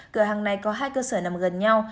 cửa hàng này có hai cơ sở nằm gần nhau